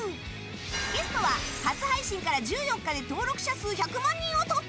ゲストは初配信から１４日で登録者数１００万人を突破！